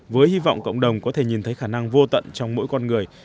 với hy vọng cộng đồng có thể nhìn thấy khả năng vô tận trong mỗi con người